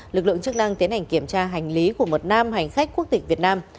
lực lượng chức năng tiến hành kiểm tra hành lý của một nam hành khách quốc tịch việt nam